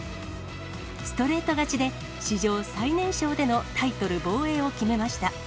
ストレート勝ちで史上最年少でのタイトル防衛を決めました。